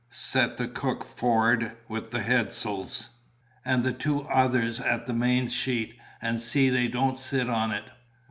Set the cook for'ard with the heads'ls, and the two others at the main sheet, and see they don't sit on it."